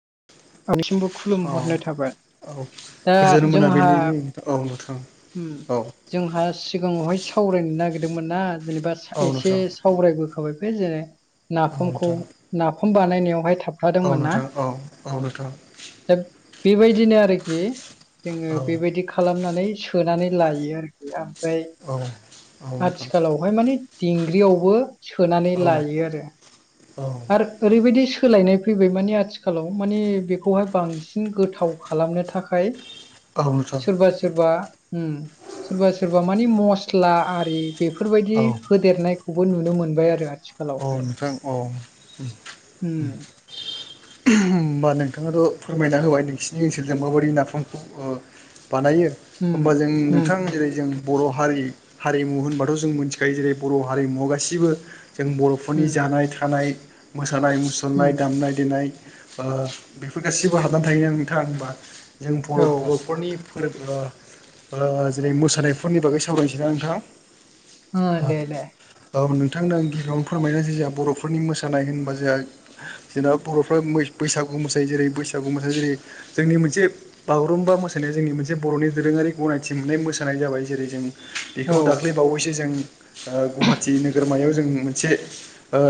[inaudible] आंनिसिमबो औ खुलुमहरनाय थाबाय औ दा गोजोन जोंहा मोनाबिलिनि औ नोंथां उम औ जोंहा सिगाङावहाय सावरायनो नागिर दोंमोनना जेनेबा औ एसे नोंथां सावरायबोखाय बे जेरै औ नाफामखौ नोंथां नाफा म बानायावहाय था औ नोंथां औ औ नोंथां दा बेबायदिनो आरोखि जोङो औ बेबायदि खालामनानै सोनानै लायो आरोखि आं औ औ नोंथां आथिखालावहाय माने दिंग्रियावबो सोनानै औ लायो आरो। आरो ओरै बायदि सोलायनाय फैबाय मानि आथिखालाव मानि बेखौहाय बांसिन गोथाव खालामनो थाखाय नोंथां सोरबा सोरबा उमसोरबा सोरबा मानि मस्ला आरि औ बेफोरबायदि होदेरनायखौबो नुनो मोनबाय आरो। औ आथिखालावहाय नोंथां औ उम होमबा नोंथाङाथ' फोरमायना होबाय नोंसिनि ओनसोलजों माबायदि नाफामखौ ओ बानायो उम होमबा जों उम नोंथां जेरै जों बर' हारि हारिमु होनबाथ' जों मोनथिखायो जेरै बर' हारिमुवआव गासिबो जों उम बर'फोरनि जानाय थानाय मोसानाय मुसुरनाय उम दामनाय देनाय ओ बेफोर गासिबो हाबनानै थायो ना नोंथां होनबा जों औ बर' बर'फोरनि फोरबो ओ ओ जेरै मोसानायफोरनि बागै सावरायनोसै ना नोंथां ओ दे दे औ नोंथांनो आं गि बियावनो फोरमायनो जे जोंहा बर'फोरनि मोसानाय होनबा जोंहा जोंना बर'फ्रा मै बैसागु मोसायो। जेरै बैसागु मोसानाय जेरै जोंनि मोनसे बागुरुम्बा मोसानाया जोंनि मोनसे बर'नि दोरोङारि गनायथि मोननाय मोसानाय जाबाय जेरै जों औ बेखौ दाख्लै बावैसो जों ओ गुवाहाटि नोगोरमायाव जों मोनसे ओ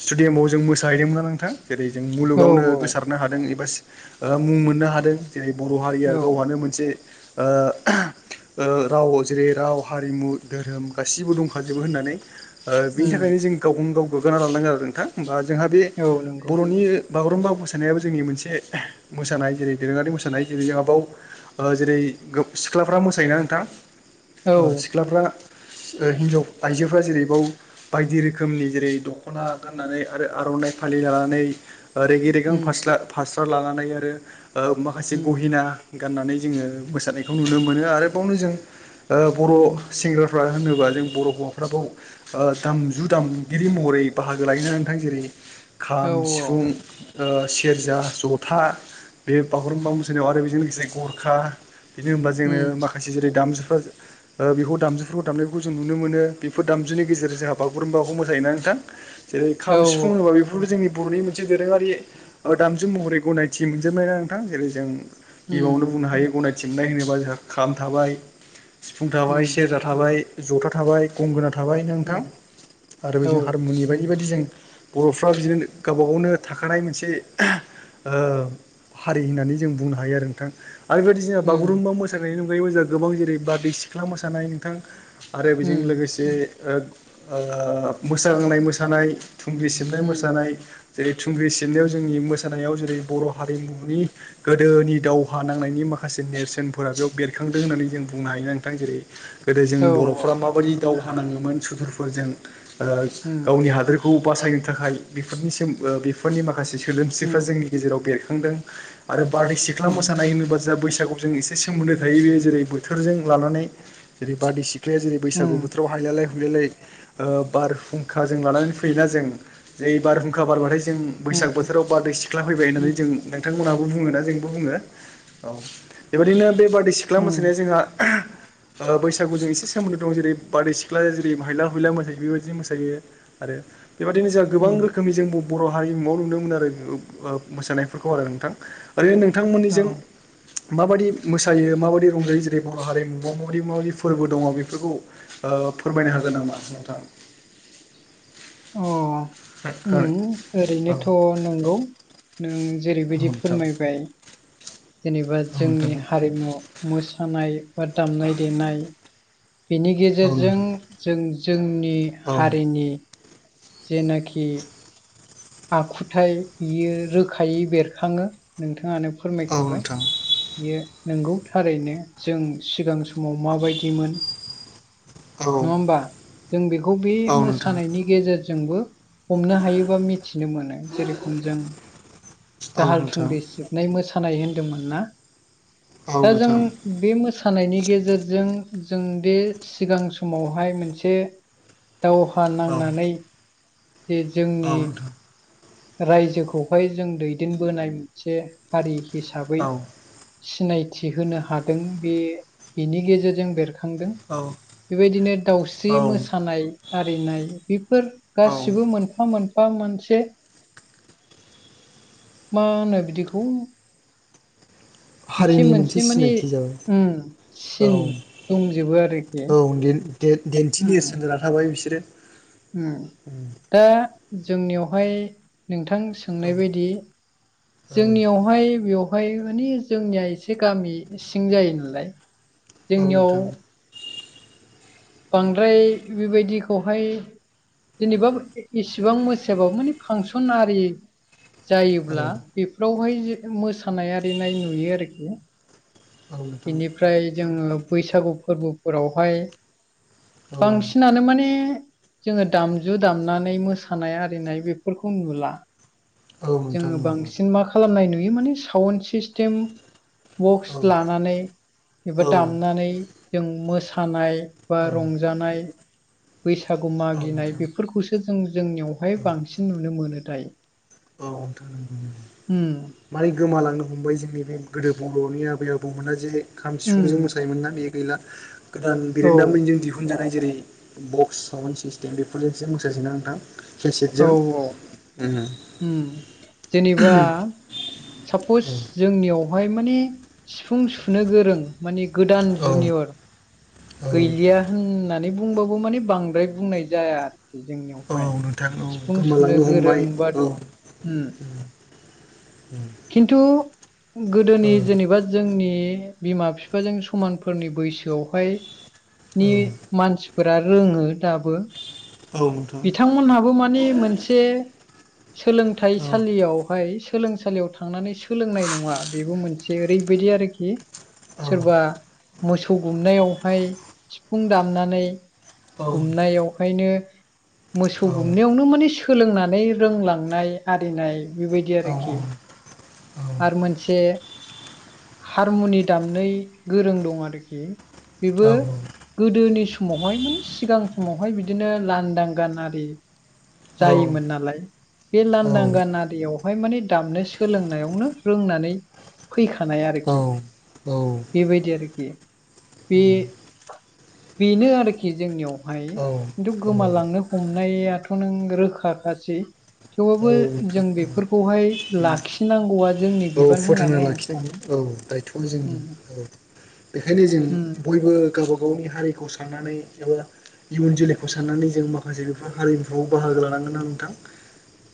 स्टुडियामाव जों मोसाहैदोंमोना नोंथां? जेरै जों औ मुलुगावनो गोसारनो हादों एबा सि मुं मोननो हादों। जेरै बर' हारिया औ गावहानो मोनसे ओ ओ राव जेरै राव हारिमु धोरोम गासिबो दंखाजोबो होननानै ओ बिनि था उम गावखौनो गाव गोग्गाना लानांगोन आरो नोंथां होमबा जोंहा बे औ नंगौ बर'नि बागुरुम्बा मोसानायाबो जोंनि मोनसे मोसानाय जेरै दोरोङारि मोसानाय जेरै जोंहा बाव जेरै गोब सिख्लाफ्रा मोसायोना नोंथां औ ओ सिख्लाफ्रा ओ हिनजाव आइजोफ्रा जेरै बायदि रोखोमनि जेरै दख'ना गाननानै आरो आर'नाइ फालि लानानै ओ रेगि रेगां उम फास्ला फास्रा लानानै आरो ओ माखासे उम गहिना गाननानै जोङो मोसानायखौ नुनो मोनो आरोबावनो जों ओ बर' सेंग्राफ्रा होनोबा जों बर' हौवाफ्रा बाव ओ दामजु दामगिरि महरै बाहागो लायोना नोंथां जेरै औ खाम सिफुं ओ सेरजा जथा बे बागुरुम्बा मोसानायाव आरो बेजों लोगोसे गरखा बिदिनो होनब्ला जोंनो उम माखासे जेरै दामजु फोर ओ बेखौ दामजुफोरखौ दामनायफोरखौ जों नुनो मोनो बेफोर दामजुनि गेजेरजों जोंहा बागुरुम्बाखौ मोसायोना नोंथां जेरै औ खाम सिफुं होनोबा बेफोरबो जोंनि बर'नि मोनसे दोरोङारि ओ दामजु महरै गनायथि मोनजोबनायना नोंथां जेरै जों गिबियावनो उम बुंनो हायो गनायथि मोननाय होनोबा जोंहा खाम थाबाय सिफुं थाबाय उम सेरजा थाबाय जथा थाबाय गंगोना थाबाय ना नोंथां उम आरो औ बेजों हारमुनि बायदि बेबायदि जों बर'फ्रा बिदिनो गावबा गावनो थाखानाय मोनसे ओ हारि होननानै जों बुंनो हायो आरो नोंथां। आरो बेबायदि जोंहा उम बागुरुम्बा मोसानायनि अनगायैबो जोंहा गोबां जेरै बारादै सिख्ला मोसानाय नोंथां। आरो बेजों उम लोगोसे ओ ओ मोसाग्लांनाय मोसानाय। थुंग्रि सिबनाय उम मोसानाय जेरै थुंग्रि सिबनायाव जोंनि मोसानायाव जेरै बर' हारिमुनि गोदोनि दावहा नांनायनि माखासे नेरसोनफोरा बेयाव बेरखांदों होननानै जों बुंनो हायोना नोंथां जेरै गोदो जों औ औ बर'फोरा माबायदि दावहा नाङोमोन सुथुरफोरजों ओ उम गावनि हादोरखौ बासायनो थाखाय बेफोरनि सोम ओ बेफोरनि माखासे उम सोदोमस्रिफ्रा जोंनि गेजेराव बेर खांदों आरो बारदै सिख्ला उम मोसानाय होनोबा जा बैसागुजों एसे सोमोन्दो थायो बे जेरै बोथोरजों लानानै जेरै बरदैसि ख्लाया जेरै बैसागु उम बोथोराव हायलालाय हुयलालाय ओ बारहुंखा जों लानानै फैयोना जों जै बारहुंखा बारबाथाय जों उम बैसाग बोथोराव बारदैै सि ख्ला फैबाय होननानै जों नोंथांमोनाबो बुङोना जोंबो बुङो औ। बेबायदिनो बे बार दै सिख्ला उम मोसानाय जोंहा ओ बैसागुजों एसे सोमोन्दो दं जेरै बारदै सिख्लाया जेरै हायला हुयला मोसायो बेबायदिनो मोसायो आरो बेबायदिनो जोंहा गोबां उम रोखोमनि जों ब बर' हारिमुआव नुनोमोन आरो ओ मोसानायफोरखौ आरो नोंथां। ओरैनो नोंथांमोननिजों औ माबादि मोसायो माबादि रंजायो जेरै बर' हारिमुआव माबादि माबादि फोरबो दङ बेफोरखौ ओ ओ फोरमायनो हागोन नामा नोंथां? अ औ उम नोंथां ओरैनोथ' नोंगौ नों औ जेरैबायदि नोंथां फोरमायबाय जेनेबा औ जोंनि नोंथां हारिमु मोसानाय बा दामनाय देनाय बेनि औ गेजेरजों जों जोंनि औ हारिनि जेनाखि आखुथाय बियो रोखायै बेरखाङो नोंथाङानो फोरमायखाबाय नोंथां औ बियो नोंगौ थारैनो जों सिगां समाव माबायदिमोन नङा होमबा? जों बेखौ बे औ नोंथां मोसानायनि गेजेरजोंबो हमनो हायो बा मि थिनो मोनो जेरेखम जों औ दाहाल नोंथां थुंग्रि सिबनाय मोसा सानाय होनदोंमोन ना औ नोंथां दा औ जों बे मोसा सानायनि गेजेरजों जों दे सिगां समावहाय मोनसे दावहा नांनानै जे जोंनि औ नोंथां रायजोखौहाय जों दैदेनबोनाय मोनसे हारि हिसाबै सिनायथि होनो हादों बे बिनि गेजेरजों बेरखांदों। औ औ बेबायदिनो दाउस्रि औ मोसानाय आरिनाय बेफोर औ गासिबो मोनफा मोन फा मोनसे मा होनो बिदिखौ हारिनि मोनसे सिनायथि उम जाबाय सिन दंजोबो आरोखि औ औ। दे देन्थि उम नेरसोन जानानै थाबाय बिसोरो। उम दा जोंनियावहाय नोंथां सोंनाय औ बायदि औ जोंनियावहाय बेव हाय माने जोंनिया एसे गामि सिं जायो नालाय औ जोंनियाव नोंथां बांद्राय बेबायदिखौहाय जेनेबा इसिबां मोसायाबाबो माने फांसन आरि जायोब्ला औ बेफोरावहाय जे मोसानाय आरिनाय नुयो आरोखि। औ नोंथां बिनिफ्राय जोङो बैसागु फोरबोफोरावहाय औ बांसिनानो माने जोङो दामजु दामनानै मोसानाय आरिनाय बेफोरखौ नुला। औ नोंथां जोङो औ बांसिन मा खालामनाय नुयो माने साउन्ड सिस्टेम बक्स औ लानानै औ एबा औ दामनानै जों मोसानाय बा नोंथां रंजानाय बैसागु मागिनाय औ बेफोरखौसो जों जोंनियावहाय बांसिन नुनो मोनो दायो। औ नोंथां उम मारै गोमालां नो हमबाय जोंनि बे गोदो बर'नि आबै आबौमोना जे खाम उम सिफुंजों मोसायोमोन ना बे गैला। गोदान औ बिरोंदामिनजों दिहुनजानाय जेरै बक्स साउन्ड सिस्टेम बेफोरजोंसो मोसासै ना नोंथां? औ केेसिटजों औ उम उम जेनिबा औ सापस जोंनियाव बेवहाय माने सिफुं सुनो गोरों माने गोदान औ जुनियर औ गैलिया होननानै बुंबाबो माने बांद्राय बुंनाय जाया आरो। औ जोंनियावहाय नोंथां औ सिफुं सुनो गोमालांनो हमबाय गोरों बा औ खिन्थु गोदोनि औ जेनेबा जोंनि बिमा बिफाजों समानफोरनि बैसोआवहाय औ नि मानसिफोरा रोङो दाबो नोंथां बिथांमोनहाबो माने मोनसे औ सोलोंथाइसालियावहाय सोलोंसालियाव थांनानै सोलोंनाय नङा बेबो मोनसे ओरैबायदि आरोखि औ सोरबा मोसौ गुमनायावहाय सिफुं दामनानै औ गुमनायावहायनो मोसौ गुमनायावनो माने सोलोंनानै रोंलांनाय आरिनाय बेबायदि आरोखि आरो मोनसे हारमुनि दामनोय गोरों दं आरोखि बेबो औ नोंथां गोदोनि समावहाय माने सिगां समावहाय बिदि बिदिनो लांदां गान आरि औ जायोमोन नालाय बे लांदां गान आरियाव बेवहाय माने दामनो सोलोंनायावनो रोंनानै फैखानाय आरोखि बेबायदि आरोखि बे बेनो आरोखि जोंनियावहाय खिन्थु गोमालांनो हमनायाथ' नों रोखा खासै थेवबो जों बेफोरखौहाय लाखि नांगौआ जोंनि बिबान फोथांना होननानै आं सानो लाखिनांगोन औ दायथ'आ जोंनि उम औ बेखायनो जों उम बयबो गावबा गावनि हारिखौ साननानै एबा इयुन जोलैखौ साननानै जों माखासे बेफोर हारिमुफ्राव बाहागो लानांगोन ना नोंथां।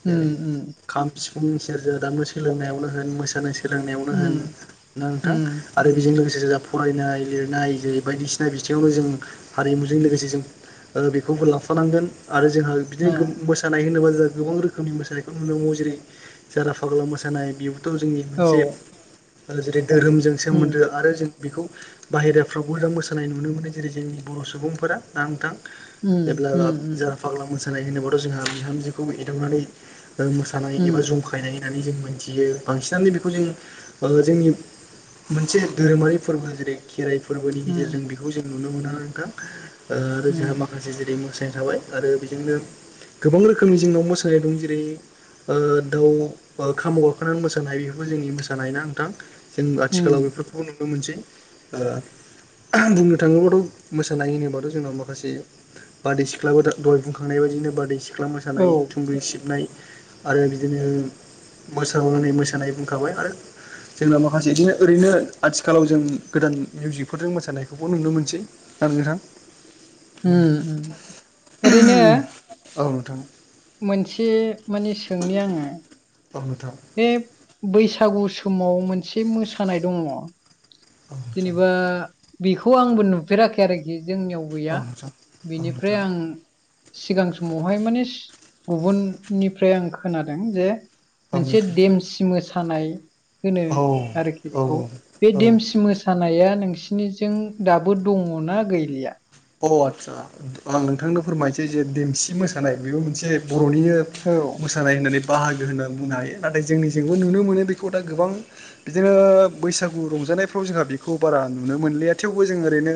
जेरै उम खाम सिफुंनि सेरजा दामनो सोलोंनायावनो होन मोसानाय सोलोंनायावनो होन उम ना नोंथां उम आरो बेजों लोगो से जा फरायनाय लिरनाय जेरै बायदिसिना बिथिङावनो जों हारिमुजों लोगोसे जों ओ बेखौबो लाफानांगोन आरो जोंहा उम बिदिनो मोसानाय होनोबा जोंहा गोबां रोखोम रोखोमनि मोसानायखौ नुनो मोनबावो जेरै जारा फाग्ला मोसानाय बेबोथ' जोंनि ओ मोनसे औ ओ जेरै धोरोमजों उम सोमोन्दो आरो जों बेखौ बाहेराफ्रावबो जों मोसानाय नुनो मोनो जेरै जोंनि बर' सुबुंफोरा ना नोंथां उम जेब्ला ओ उम जारा फाग्ला मोसानाय होनोब्लाथ' जोंहा बिहामजोखौ एदावनानै मोसानाय उम एबा जुमखायनाय होननानै जों मोनथियो बांसिनानो बेखौ जों ओ जोंनि मोनसे धोरोमारि फोरबो जेरै खेराइ फोरबोनि उम गेजेरजों बेखौ जों नुनो मोना नोंथां ओ आरो उम जोंहा माखासे जेरै मोसा नाय थाबाय आरो बेजोंनो गोबां रोखोमनि जोंनाव मोसानाय दं। जेरै ओ दाउ ओ खामाव गाखोनानै मोसानाय बेफोबो जोंनि मोसानायना नोंथां। जों आथिखालाव उम बेफोरखौबो नुनो मोनसै ओ बुंनो थाङोबाथ' मोसानाय होनोबाथ' जोंनाव माखासे बारदै सिख्लाबो दा दहाय बुंखांनाय बा बिदिनो बारदै सिख्ला औ मोसानाय थुंग्रि सिब नाय आरो बिदिनो मोसाग्लांनाय मोसानाय बुंखाबाय आरो। जोंनााव माखासे बिदिनो ओरैनो आथिखालाव जों गोदान मिउजिकफोरजों मोसानायखौबो नुनो मोनसै। ना नोंथां उम उम ओरैनो औ नोंथां मोनसे मानि सोंनि आङो औ नोथां बे बैसागु समाव मोनसे मोसानाय दङ औ नोंथां जेनेबा बेखौ आंबो नुफेराखै आरोखि जोंनियाव औ गैया नोंथां औ बिनिफ्राय नोंथां आं सिगां समावहाय माने गुबुननिफ्राय आं खोनादों जे औ मोनसे नोंथां देमसि मोसानाय होनो औ आरोखि बेखौ औ बे औ देमसि मोसानाया नोंसिनिजों दाबो दङना गैलिया। अ आदसा आं नोंथांनो फोरमायनोसै जे देमसि मोसानाय बेबो मोनसे बर'निनो औ मोसानाय होननानै बाहागो होननानै बुंनो हायो नाथाय जोंनि जेबो नुनो मोनो बेखौ दा गोबां बिदिनो बैसागु रंजा नायफ्राव जोंहा बेखौ बारा नुनो मोनलिया थेवबो जों ओरैनो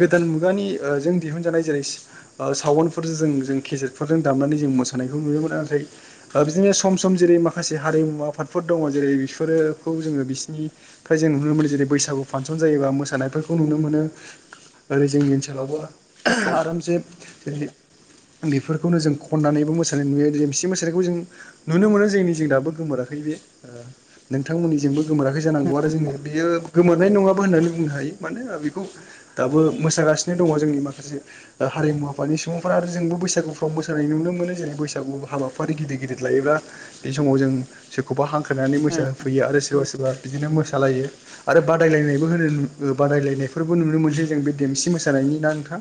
गोदान मु गानि ओ जों दिहुनजानाय जेरै ओ सावनफोरजों जों केेजेदफोरजों दामनानै जों मोसानायखौ नुयो। ओ बिदिनो सम सम जेरै माखासे हारिमु आफादफोर दङ जेरै बिफोरो खौ जोङो बि सोनिफ्राय जों नुनो मोनो जेरै बैसागु फांनसन जायोबा मोसानायफोरखौ नुनो मोनो ओरै जोंनि ओनसोलावबो आरामसे जेरै बेफोरखौनो जों खननानैबो मोसानाय नुयो देमसि मोसानायखौ जों नुनो मोनो जोंनिजों दाबो गोमोराखै बे ओ नोंथांमोननिजोंबो गोमोराखै जानांगौ आरो जोंङो बेयो गोमोरनाय नङाबो होननानै बुंनो हायो मानोना बेखौ दाबो मोसागासिनो दङ जोंनि माखासे हारिमु आफादनि सुबुंफोरा आरो जोंबो बैसागुफ्राव मोसानाय नुनो मोनो जेरै बैसागु हाबाफारि गिदिर गिदिर लायोब्ला बे समाव जों सोरखौबा हांख्रायनानै मोसा होफैयो आरो। सोरबा सोरबा बिदिनो मोसालायो आरो बादायलायनायबो होनो बादायलायनायफोरबो नुनो मोनसै जों बे देमसि मोसानायनि ना नोंथां